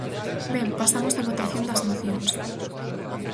Ben, pasamos á votación das mocións.